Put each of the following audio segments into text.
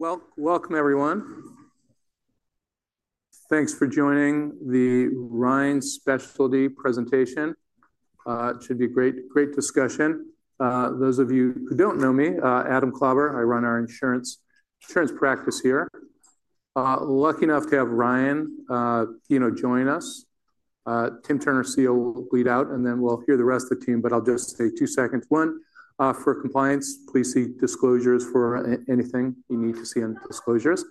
Welcome, everyone. Thanks for joining the Ryan Specialty presentation. It should be a great discussion. Those of you who don't know me, Adam Klober, I run our insurance practice here. Lucky enough to have Ryan join us. Tim Turner, CEO, will lead out, and then we'll hear the rest of the team. I'll just say two seconds. One, for compliance, please see disclosures for anything you need to see in disclosures.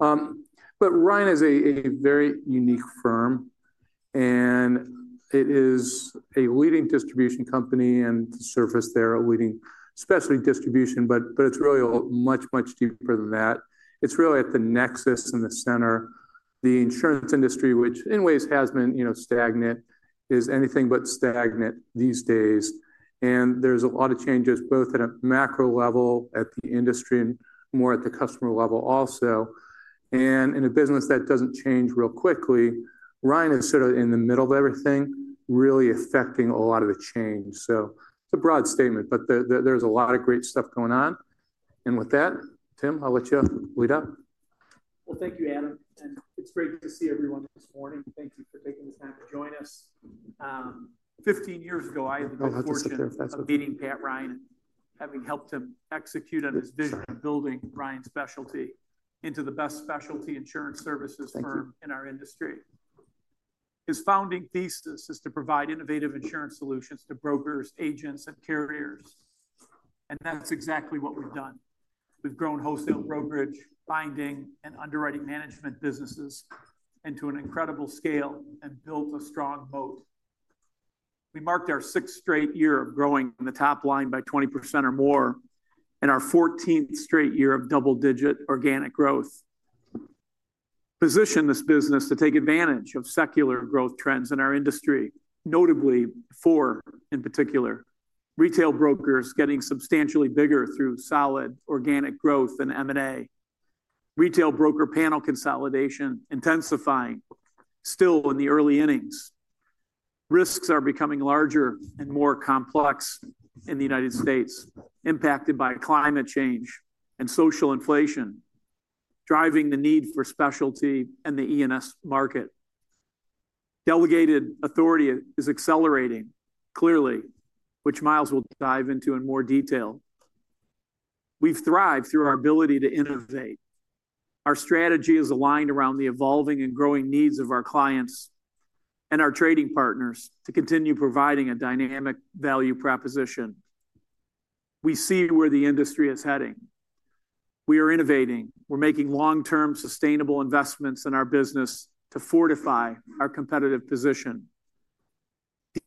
Ryan is a very unique firm, and it is a leading distribution company. To surface there, a leading specialty distribution, but it's really much, much deeper than that. It's really at the nexus and the center. The insurance industry, which in ways has been stagnant, is anything but stagnant these days. There's a lot of changes, both at a macro level at the industry and more at the customer level also. In a business that doesn't change real quickly, Ryan is sort of in the middle of everything, really affecting a lot of the change. It's a broad statement, but there's a lot of great stuff going on. With that, Tim, I'll let you lead up. Thank you, Adam. It is great to see everyone this morning. Thank you for taking the time to join us. Fifteen years ago, I had the good fortune of meeting Pat Ryan and having helped him execute on his vision of building Ryan Specialty into the best specialty insurance services firm in our industry. His founding thesis is to provide innovative insurance solutions to brokers, agents, and carriers. That is exactly what we have done. We have grown wholesale brokerage, binding, and underwriting management businesses into an incredible scale and built a strong moat. We marked our sixth straight year of growing the top line by 20% or more and our 14th straight year of double-digit organic growth. Position this business to take advantage of secular growth trends in our industry, notably four in particular: retail brokers getting substantially bigger through solid organic growth and M&A, retail broker panel consolidation intensifying still in the early innings, risks are becoming larger and more complex in the United States, impacted by climate change and social inflation, driving the need for specialty and the E&S market, delegated authority is accelerating clearly, which Miles will dive into in more detail. We've thrived through our ability to innovate. Our strategy is aligned around the evolving and growing needs of our clients and our trading partners to continue providing a dynamic value proposition. We see where the industry is heading. We are innovating. We're making long-term sustainable investments in our business to fortify our competitive position,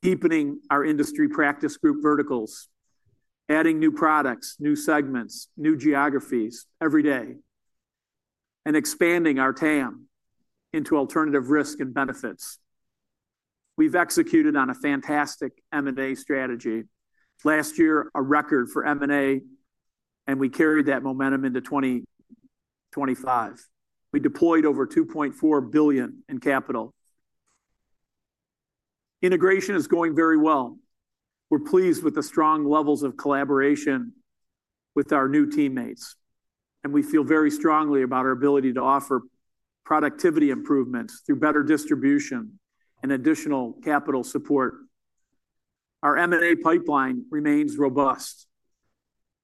deepening our industry practice group verticals, adding new products, new segments, new geographies every day, and expanding our TAM into alternative risk and benefits. We've executed on a fantastic M&A strategy. Last year, a record for M&A, and we carried that momentum into 2025. We deployed over $2.4 billion in capital. Integration is going very well. We're pleased with the strong levels of collaboration with our new teammates, and we feel very strongly about our ability to offer productivity improvements through better distribution and additional capital support. Our M&A pipeline remains robust,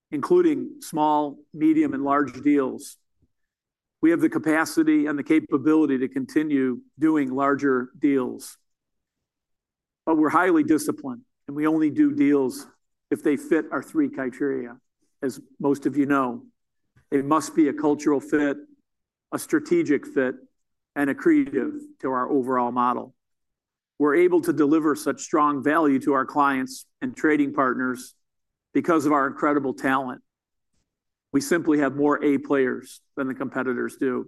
including small, medium, and large deals. We have the capacity and the capability to continue doing larger deals. We are highly disciplined, and we only do deals if they fit our three criteria, as most of you know. It must be a cultural fit, a strategic fit, and a creative to our overall model. We're able to deliver such strong value to our clients and trading partners because of our incredible talent. We simply have more A players than the competitors do.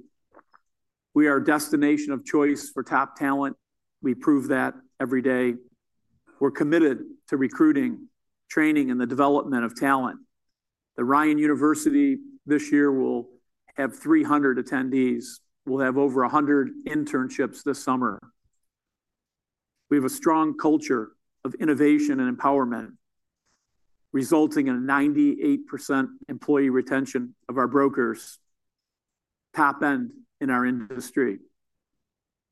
We are a destination of choice for top talent. We prove that every day. We're committed to recruiting, training, and the development of talent. The Ryan University this year will have 300 attendees. We'll have over 100 internships this summer. We have a strong culture of innovation and empowerment, resulting in a 98% employee retention of our brokers, top-end in our industry.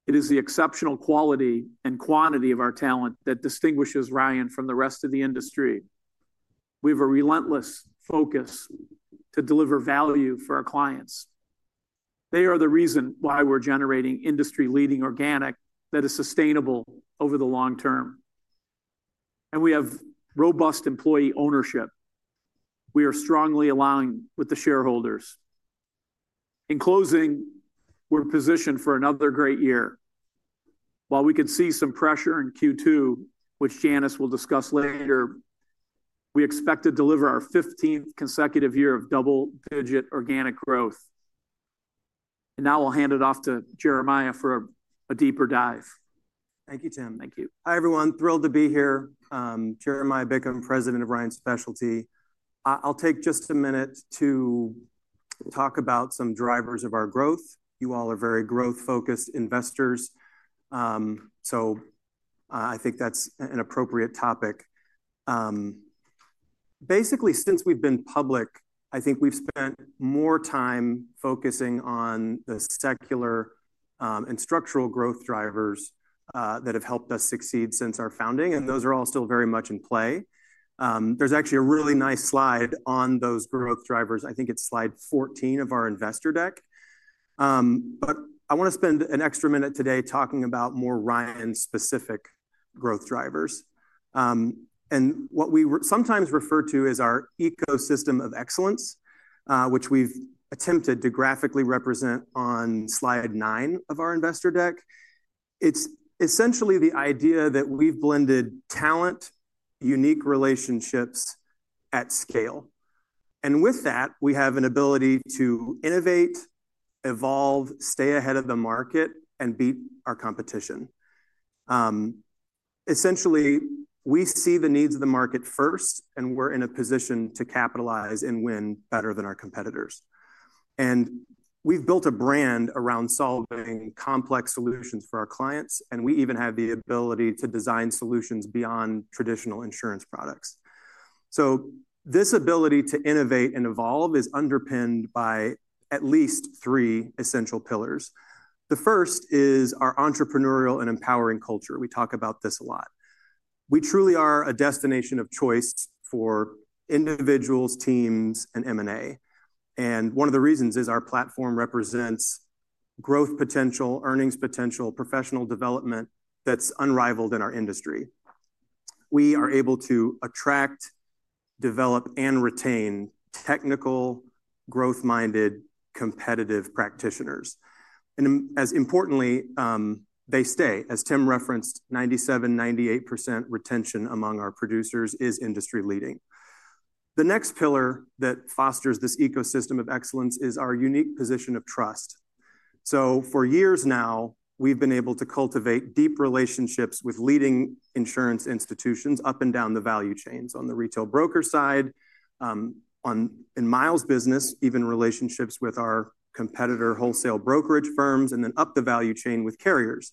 It is the exceptional quality and quantity of our talent that distinguishes Ryan Specialty from the rest of the industry. We have a relentless focus to deliver value for our clients. They are the reason why we're generating industry-leading organic that is sustainable over the long term. We have robust employee ownership. We are strongly aligned with the shareholders. In closing, we're positioned for another great year. While we could see some pressure in Q2, which Janice will discuss later, we expect to deliver our 15th consecutive year of double-digit organic growth. Now I'll hand it off to Jeremiah for a deeper dive. Thank you, Tim. Thank you. Hi, everyone. Thrilled to be here. Jeremiah Bickham, President of Ryan Specialty. I'll take just a minute to talk about some drivers of our growth. You all are very growth-focused investors, so I think that's an appropriate topic. Basically, since we've been public, I think we've spent more time focusing on the secular and structural growth drivers that have helped us succeed since our founding, and those are all still very much in play. There's actually a really nice slide on those growth drivers. I think it's slide 14 of our investor deck. I want to spend an extra minute today talking about more Ryan-specific growth drivers. What we sometimes refer to as our ecosystem of excellence, which we've attempted to graphically represent on slide 9 of our investor deck, it's essentially the idea that we've blended talent, unique relationships at scale. With that, we have an ability to innovate, evolve, stay ahead of the market, and beat our competition. Essentially, we see the needs of the market first, and we're in a position to capitalize and win better than our competitors. We've built a brand around solving complex solutions for our clients, and we even have the ability to design solutions beyond traditional insurance products. This ability to innovate and evolve is underpinned by at least three essential pillars. The first is our entrepreneurial and empowering culture. We talk about this a lot. We truly are a destination of choice for individuals, teams, and M&A. One of the reasons is our platform represents growth potential, earnings potential, professional development that's unrivaled in our industry. We are able to attract, develop, and retain technical, growth-minded, competitive practitioners. As importantly, they stay. As Tim referenced, 97%-98% retention among our producers is industry-leading. The next pillar that fosters this ecosystem of excellence is our unique position of trust. For years now, we've been able to cultivate deep relationships with leading insurance institutions up and down the value chains on the retail broker side, in Miles' business, even relationships with our competitor wholesale brokerage firms, and then up the value chain with carriers.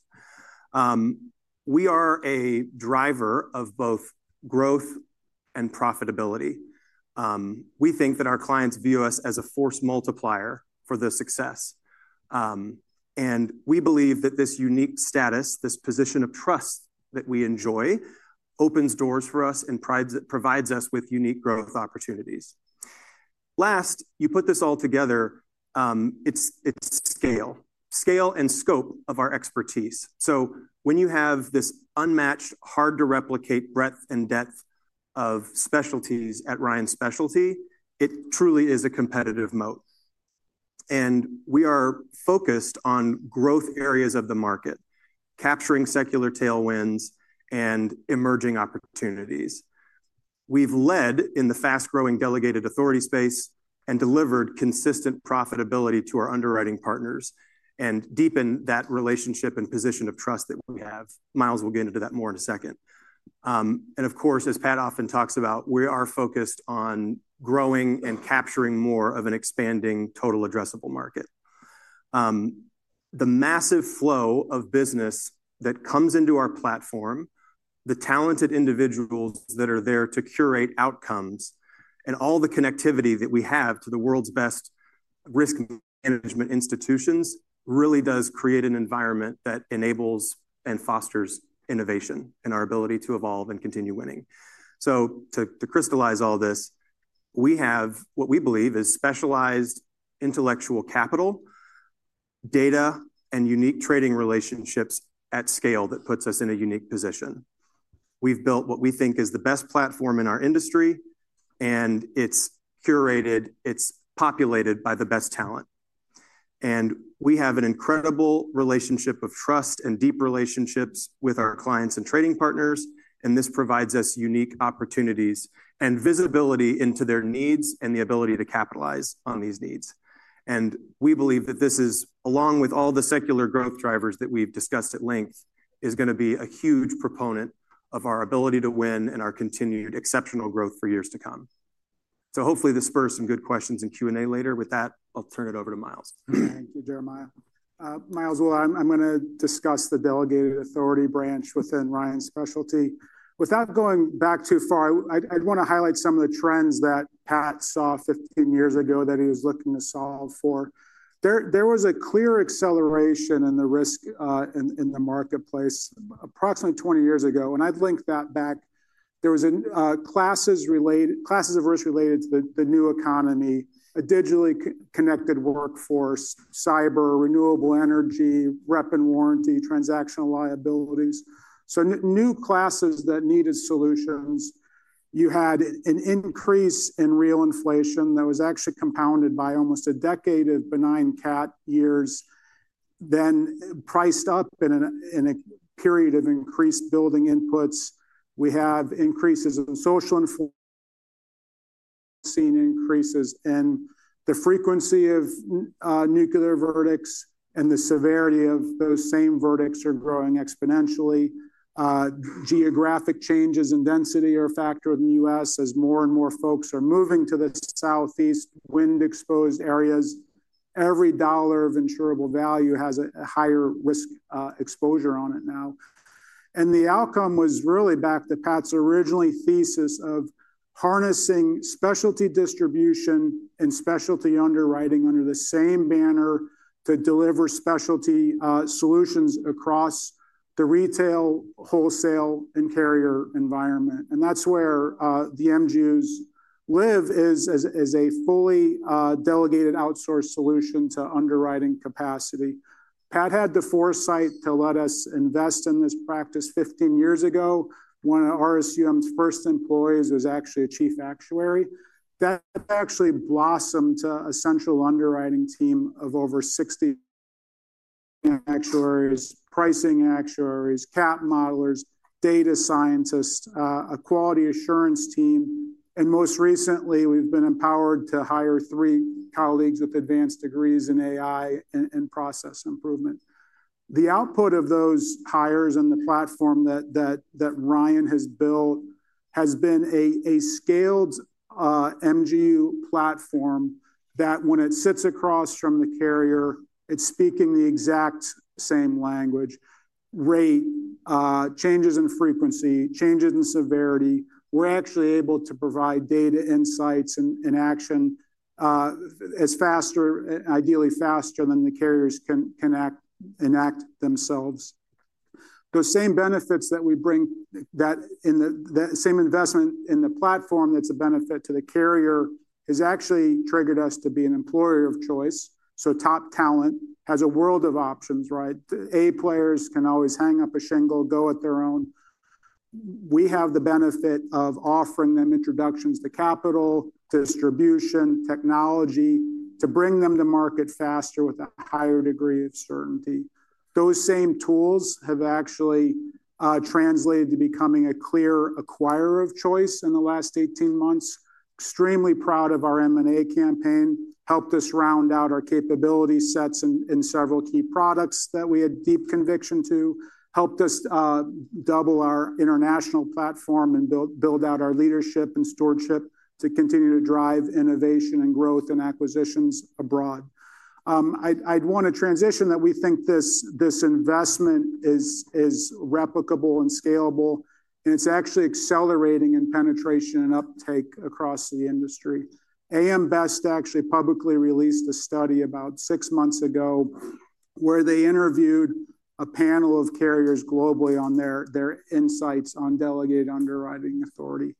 We are a driver of both growth and profitability. We think that our clients view us as a force multiplier for their success. We believe that this unique status, this position of trust that we enjoy, opens doors for us and provides us with unique growth opportunities. Last, you put this all together, it's scale, scale and scope of our expertise. When you have this unmatched, hard-to-replicate breadth and depth of specialties at Ryan Specialty, it truly is a competitive moat. We are focused on growth areas of the market, capturing secular tailwinds and emerging opportunities. We have led in the fast-growing delegated authority space and delivered consistent profitability to our underwriting partners and deepened that relationship and position of trust that we have. Miles will get into that more in a second. Of course, as Pat often talks about, we are focused on growing and capturing more of an expanding total addressable market. The massive flow of business that comes into our platform, the talented individuals that are there to curate outcomes, and all the connectivity that we have to the world's best risk management institutions really does create an environment that enables and fosters innovation and our ability to evolve and continue winning. To crystallize all this, we have what we believe is specialized intellectual capital, data, and unique trading relationships at scale that puts us in a unique position. We've built what we think is the best platform in our industry, and it's curated, it's populated by the best talent. We have an incredible relationship of trust and deep relationships with our clients and trading partners, and this provides us unique opportunities and visibility into their needs and the ability to capitalize on these needs. We believe that this is, along with all the secular growth drivers that we've discussed at length, going to be a huge proponent of our ability to win and our continued exceptional growth for years to come. Hopefully this spurs some good questions in Q&A later. With that, I'll turn it over to Miles. Thank you, Jeremiah. Miles Wuller, I'm going to discuss the delegated authority branch within Ryan Specialty. Without going back too far, I'd want to highlight some of the trends that Pat saw 15 years ago that he was looking to solve for. There was a clear acceleration in the risk in the marketplace approximately 20 years ago. I'd link that back. There were classes of risk related to the new economy, a digitally connected workforce, cyber, renewable energy, rep and warranty, transactional liabilities. New classes that needed solutions. You had an increase in real inflation that was actually compounded by almost a decade of benign cat years, then priced up in a period of increased building inputs. We have increases in social information increases, and the frequency of nuclear verdicts and the severity of those same verdicts are growing exponentially. Geographic changes in density are a factor in the U.S. as more and more folks are moving to the Southeast wind-exposed areas. Every dollar of insurable value has a higher risk exposure on it now. The outcome was really back to Pat's original thesis of harnessing specialty distribution and specialty underwriting under the same banner to deliver specialty solutions across the retail, wholesale, and carrier environment. That is where the MGUs live, as a fully delegated outsource solution to underwriting capacity. Pat had the foresight to let us invest in this practice 15 years ago. One of RSUM's first employees was actually a Chief Actuary. That actually blossomed to a central underwriting team of over 60 actuaries, pricing actuaries, cap modelers, data scientists, a quality assurance team. Most recently, we've been empowered to hire three colleagues with advanced degrees in AI and process improvement. The output of those hires and the platform that Ryan Specialty has built has been a scaled MGU platform that when it sits across from the carrier, it's speaking the exact same language. Rate, changes in frequency, changes in severity. We're actually able to provide data insights and action as faster, ideally faster than the carriers can enact themselves. Those same benefits that we bring, that same investment in the platform that's a benefit to the carrier has actually triggered us to be an employer of choice. Top talent has a world of options, right? A players can always hang up a shingle, go at their own. We have the benefit of offering them introductions to capital, distribution, technology to bring them to market faster with a higher degree of certainty. Those same tools have actually translated to becoming a clear acquirer of choice in the last 18 months. Extremely proud of our M&A campaign. Helped us round out our capability sets in several key products that we had deep conviction to. Helped us double our international platform and build out our leadership and stewardship to continue to drive innovation and growth and acquisitions abroad. I'd want to transition that we think this investment is replicable and scalable, and it's actually accelerating in penetration and uptake across the industry. AM Best actually publicly released a study about six months ago where they interviewed a panel of carriers globally on their insights on delegated underwriting authority.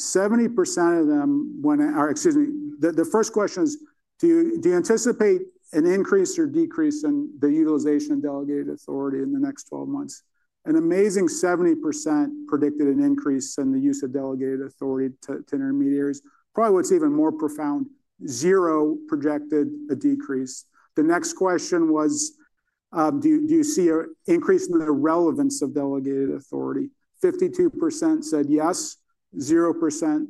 70% of them went out, excuse me, the first question is, do you anticipate an increase or decrease in the utilization of delegated authority in the next 12 months? An amazing 70% predicted an increase in the use of delegated authority to intermediaries. Probably what's even more profound, zero projected a decrease. The next question was, do you see an increase in the relevance of delegated authority? 52% said yes. 0%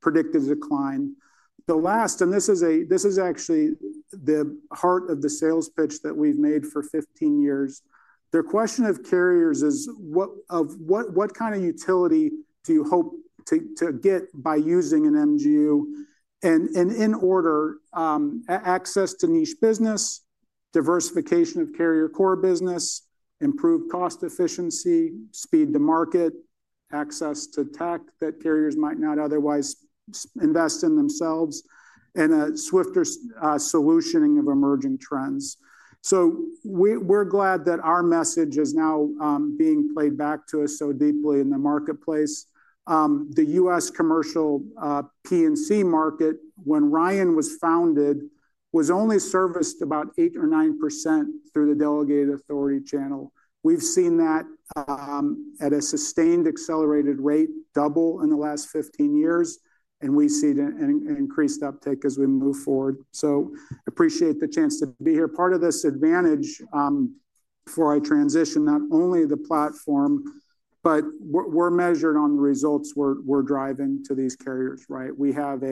predicted decline. The last, and this is actually the heart of the sales pitch that we've made for 15 years. The question of carriers is, what kind of utility do you hope to get by using an MGU? And in order, access to niche business, diversification of carrier core business, improved cost efficiency, speed to market, access to tech that carriers might not otherwise invest in themselves, and a swifter solutioning of emerging trends. We are glad that our message is now being played back to us so deeply in the marketplace. The U.S. commercial P&C market, when Ryan was founded, was only serviced about 8% or 9% through the delegated authority channel. We've seen that at a sustained accelerated rate double in the last 15 years, and we see an increased uptake as we move forward. I appreciate the chance to be here. Part of this advantage before I transition, not only the platform, but we're measured on the results we're driving to these carriers, right? We have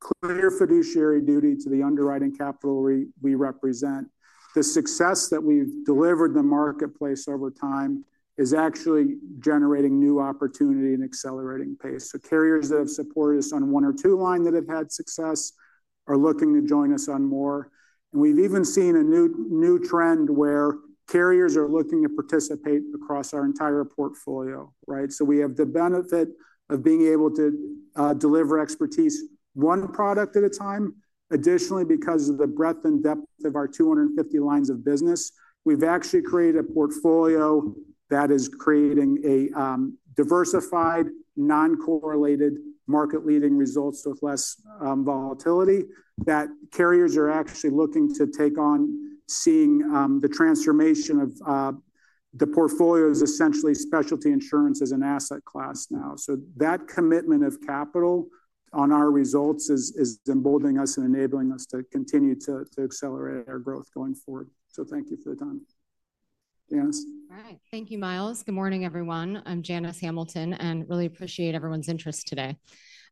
a clear fiduciary duty to the underwriting capital we represent. The success that we've delivered in the marketplace over time is actually generating new opportunity and accelerating pace. Carriers that have supported us on one or two lines that have had success are looking to join us on more. We've even seen a new trend where carriers are looking to participate across our entire portfolio, right? We have the benefit of being able to deliver expertise one product at a time. Additionally, because of the breadth and depth of our 250 lines of business, we've actually created a portfolio that is creating a diversified, non-correlated, market-leading results with less volatility that carriers are actually looking to take on, seeing the transformation of the portfolio is essentially specialty insurance as an asset class now. That commitment of capital on our results is emboldening us and enabling us to continue to accelerate our growth going forward. Thank you for the time. Janice. All right. Thank you, Miles. Good morning, everyone. I'm Janice Hamilton, and really appreciate everyone's interest today.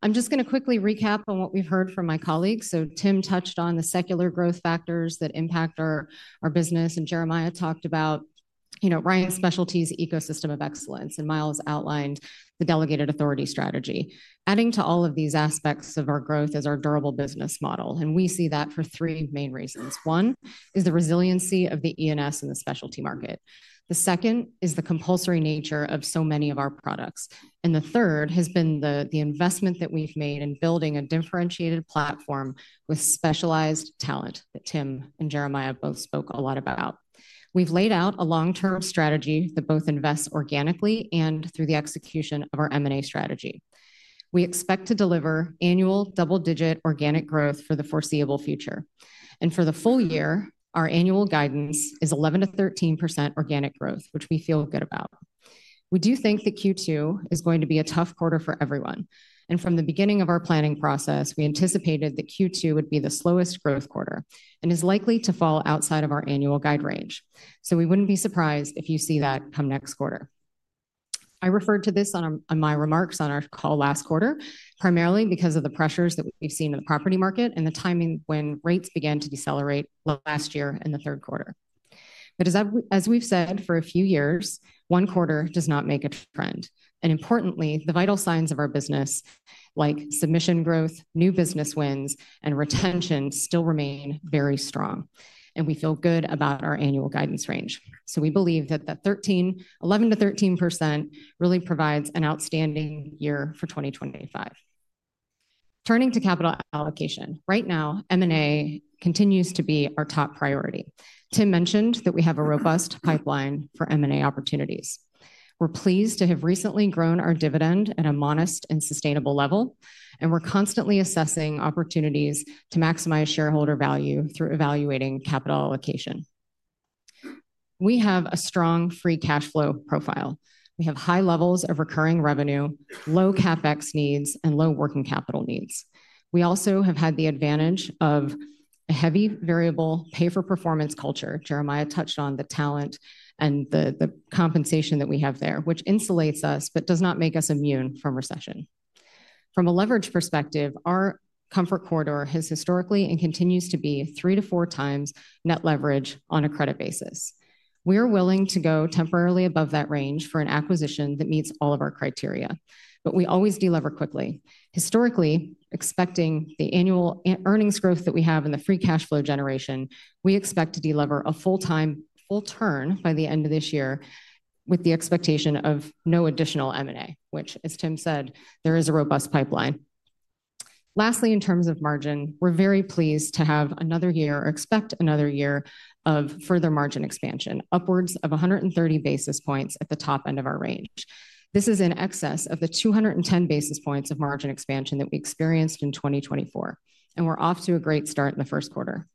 I'm just going to quickly recap on what we've heard from my colleagues. Tim touched on the secular growth factors that impact our business, and Jeremiah talked about Ryan Specialty's ecosystem of excellence, and Miles outlined the delegated authority strategy. Adding to all of these aspects of our growth is our durable business model, and we see that for three main reasons. One is the resiliency of the E&S in the specialty market. The second is the compulsory nature of so many of our products. The third has been the investment that we've made in building a differentiated platform with specialized talent that Tim and Jeremiah both spoke a lot about. We've laid out a long-term strategy that both invests organically and through the execution of our M&A strategy. We expect to deliver annual double-digit organic growth for the foreseeable future. For the full year, our annual guidance is 11%-13% organic growth, which we feel good about. We do think that Q2 is going to be a tough quarter for everyone. From the beginning of our planning process, we anticipated that Q2 would be the slowest growth quarter and is likely to fall outside of our annual guide range. We would not be surprised if you see that come next quarter. I referred to this in my remarks on our call last quarter, primarily because of the pressures that we have seen in the property market and the timing when rates began to decelerate last year in the third quarter. As we have said for a few years, one quarter does not make a trend. Importantly, the vital signs of our business, like submission growth, new business wins, and retention still remain very strong. We feel good about our annual guidance range. We believe that the 11%-13% really provides an outstanding year for 2025. Turning to capital allocation, right now, M&A continues to be our top priority. Tim mentioned that we have a robust pipeline for M&A opportunities. We're pleased to have recently grown our dividend at a modest and sustainable level, and we're constantly assessing opportunities to maximize shareholder value through evaluating capital allocation. We have a strong free cash flow profile. We have high levels of recurring revenue, low CapEx needs, and low working capital needs. We also have had the advantage of a heavy variable pay-for-performance culture. Jeremiah touched on the talent and the compensation that we have there, which insulates us but does not make us immune from recession. From a leverage perspective, our comfort corridor has historically and continues to be three to four times net leverage on a credit basis. We are willing to go temporarily above that range for an acquisition that meets all of our criteria, but we always deliver quickly. Historically, expecting the annual earnings growth that we have in the free cash flow generation, we expect to deliver a full-time full turn by the end of this year with the expectation of no additional M&A, which, as Tim said, there is a robust pipeline. Lastly, in terms of margin, we're very pleased to have another year or expect another year of further margin expansion, upwards of 130 basis points at the top end of our range. This is in excess of the 210 basis points of margin expansion that we experienced in 2024, and we're off to a great start in the first quarter.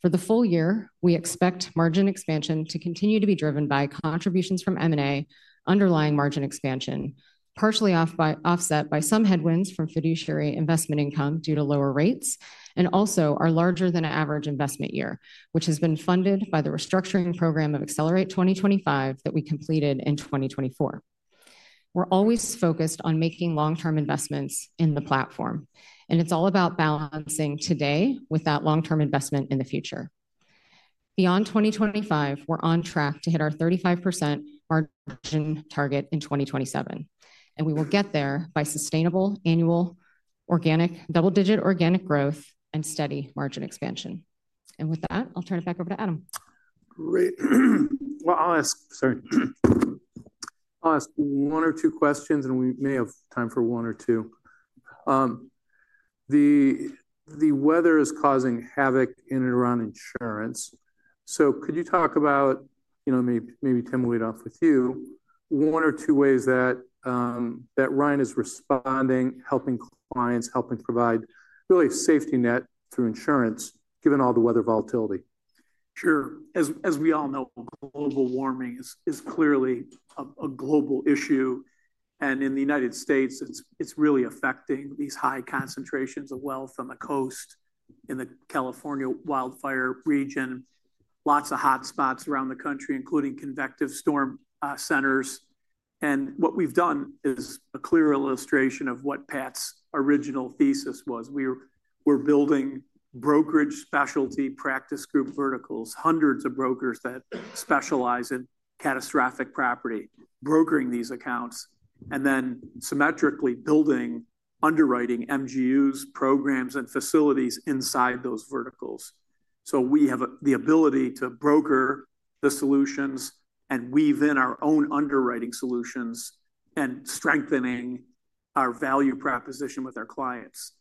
For the full year, we expect margin expansion to continue to be driven by contributions from M&A underlying margin expansion, partially offset by some headwinds from fiduciary investment income due to lower rates, and also our larger-than-average investment year, which has been funded by the restructuring program of Accelerate 2025 that we completed in 2024. We're always focused on making long-term investments in the platform, and it's all about balancing today with that long-term investment in the future. Beyond 2025, we're on track to hit our 35% margin target in 2027, and we will get there by sustainable annual organic double-digit organic growth and steady margin expansion. With that, I'll turn it back over to Adam. Great. I'll ask one or two questions, and we may have time for one or two. The weather is causing havoc in and around insurance. Could you talk about, maybe Tim will lead off with you, one or two ways that Ryan is responding, helping clients, helping provide really a safety net through insurance, given all the weather volatility? Sure. As we all know, global warming is clearly a global issue. In the United States, it's really affecting these high concentrations of wealth on the coast in the California wildfire region. Lots of hotspots around the country, including convective storm centers. What we've done is a clear illustration of what Pat's original thesis was. We're building brokerage specialty practice group verticals, hundreds of brokers that specialize in catastrophic property, brokering these accounts, and then symmetrically building underwriting MGUs, programs, and facilities inside those verticals. We have the ability to broker the solutions and weave in our own underwriting solutions and strengthen our value proposition with our clients.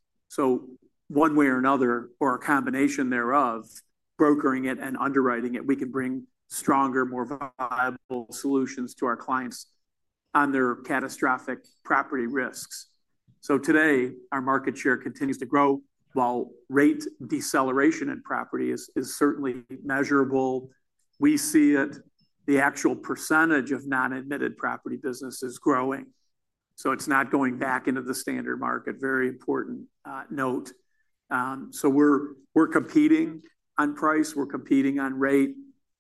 One way or another, or a combination thereof, brokering it and underwriting it, we can bring stronger, more viable solutions to our clients on their catastrophic property risks. Today, our market share continues to grow while rate deceleration in property is certainly measurable. We see that the actual percentage of non-admitted property business is growing. It is not going back into the standard market. Very important note. We are competing on price. We are competing on rate.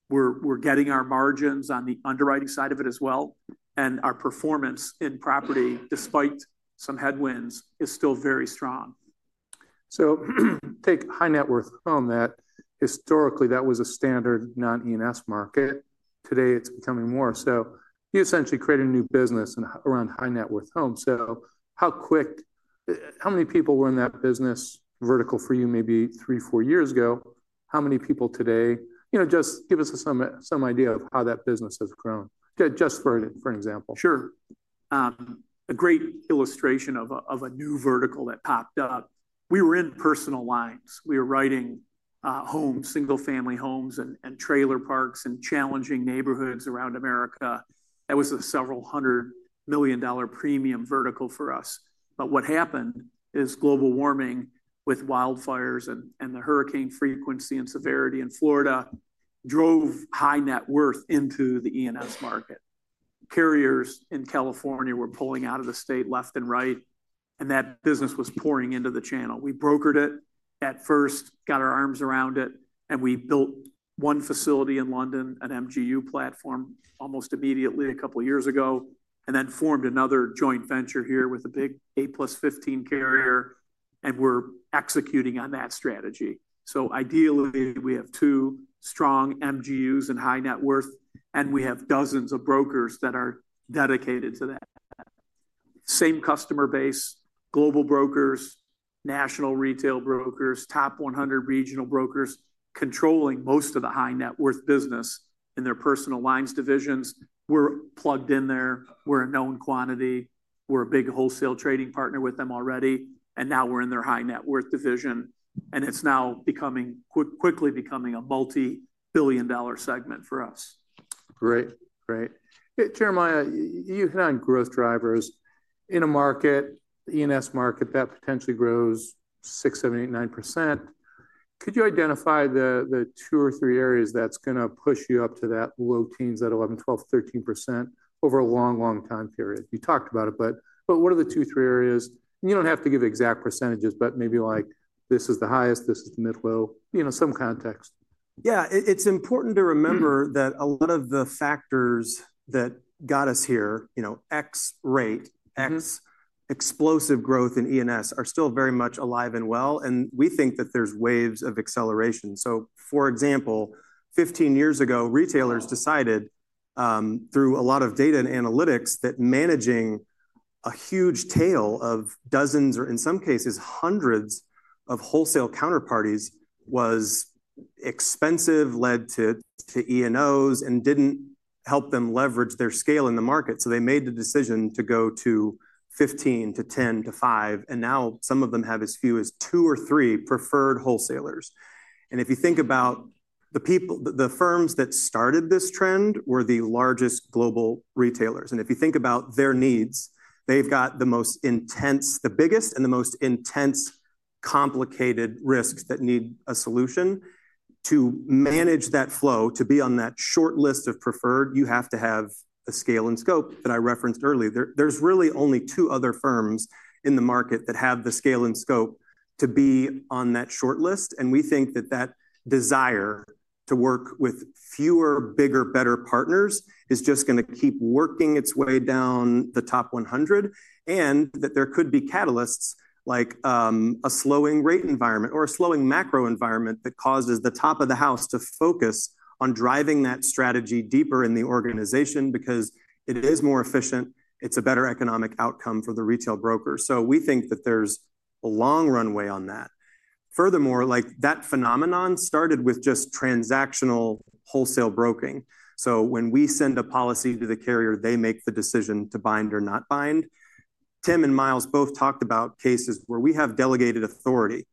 We are getting our margins on the underwriting side of it as well. Our performance in property, despite some headwinds, is still very strong. Take high-net-worth home that historically, that was a standard non-E&S market. Today, it's becoming more. You essentially created a new business around high-net-worth homes. How quick, how many people were in that business vertical for you maybe three, four years ago? How many people today? Just give us some idea of how that business has grown, just for an example. Sure. A great illustration of a new vertical that popped up. We were in personal lines. We were writing homes, single-family homes, and trailer parks in challenging neighborhoods around America. That was a several hundred million-dollar premium vertical for us. What happened is global warming with wildfires and the hurricane frequency and severity in Florida drove high-net-worth into the E&S market. Carriers in California were pulling out of the state left and right, and that business was pouring into the channel. We brokered it at first, got our arms around it, and we built one facility in London, an MGU platform, almost immediately a couple of years ago, and then formed another joint venture here with a big A-plus-15 carrier, and we're executing on that strategy. Ideally, we have two strong MGUs in high-net-worth, and we have dozens of brokers that are dedicated to that. Same customer base, global brokers, national retail brokers, top 100 regional brokers controlling most of the high-net-worth business in their personal lines divisions. We're plugged in there. We're a known quantity. We're a big wholesale trading partner with them already. Now we're in their high-net-worth division, and it's now quickly becoming a multi-billion-dollar segment for us. Great. Great. Jeremiah, you hit on growth drivers. In a market, the E&S market that potentially grows 6%, 7%, 8%, 9%, could you identify the two or three areas that's going to push you up to that low teens, that 11%, 12%, 13% over a long, long time period? You talked about it, but what are the two, three areas? You don't have to give exact percentages, but maybe like, this is the highest, this is the mid-low, some context. Yeah. It's important to remember that a lot of the factors that got us here, X rate, X explosive growth in E&S, are still very much alive and well, and we think that there's waves of acceleration. For example, 15 years ago, retailers decided through a lot of data and analytics that managing a huge tail of dozens or in some cases hundreds of wholesale counterparties was expensive, led to E&Os, and did not help them leverage their scale in the market. They made the decision to go to 15 to 10 to 5, and now some of them have as few as two or three preferred wholesalers. If you think about the firms that started this trend, they were the largest global retailers. If you think about their needs, they've got the most intense, the biggest and the most intense, complicated risks that need a solution. To manage that flow, to be on that short list of preferred, you have to have the scale and scope that I referenced earlier. There are really only two other firms in the market that have the scale and scope to be on that short list. We think that that desire to work with fewer, bigger, better partners is just going to keep working its way down the top 100, and that there could be catalysts like a slowing rate environment or a slowing macro environment that causes the top of the house to focus on driving that strategy deeper in the organization because it is more efficient. It is a better economic outcome for the retail broker. We think that there is a long runway on that. Furthermore, that phenomenon started with just transactional wholesale broking. When we send a policy to the carrier, they make the decision to bind or not bind. Tim and Miles both talked about cases where we have delegated authority.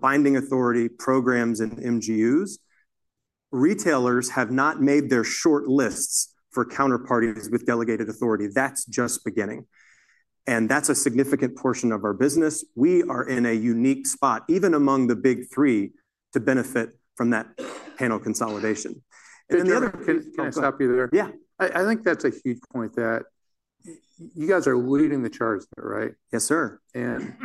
Binding authority programs and MGUs, retailers have not made their short lists for counterparties with delegated authority. That's just beginning. That's a significant portion of our business. We are in a unique spot, even among the big three, to benefit from that panel consolidation. Can I stop you there? Yeah. I think that's a huge point that you guys are leading the charge there, right? Yes, sir. There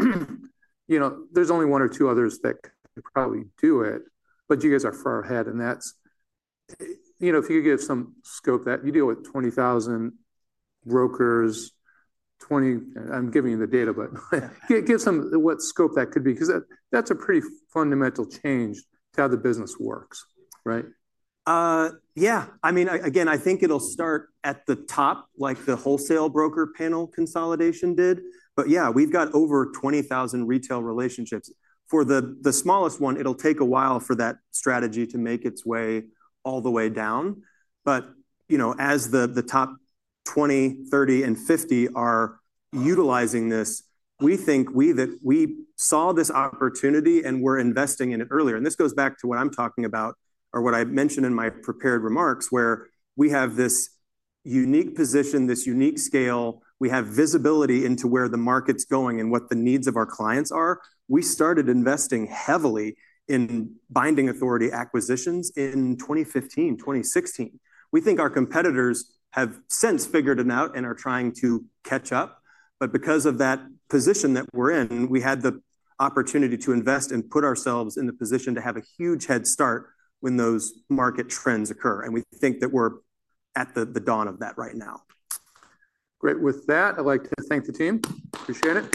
is only one or two others that could probably do it, but you guys are far ahead. If you could give some scope that you deal with 20,000 brokers, 20, I am giving you the data, but give some what scope that could be because that is a pretty fundamental change to how the business works, right? Yeah. I mean, again, I think it'll start at the top, like the wholesale broker panel consolidation did. Yeah, we've got over 20,000 retail relationships. For the smallest one, it'll take a while for that strategy to make its way all the way down. As the top 20, 30, and 50 are utilizing this, we think we saw this opportunity and were investing in it earlier. This goes back to what I'm talking about or what I mentioned in my prepared remarks, where we have this unique position, this unique scale. We have visibility into where the market's going and what the needs of our clients are. We started investing heavily in binding authority acquisitions in 2015, 2016. We think our competitors have since figured it out and are trying to catch up. Because of that position that we're in, we had the opportunity to invest and put ourselves in the position to have a huge head start when those market trends occur. We think that we're at the dawn of that right now. Great. With that, I'd like to thank the team. Appreciate it.